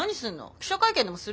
記者会見でもする？